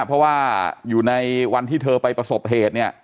เพราะว่าอยู่ในวันที่เธอไปประสบเหตุเนี่ย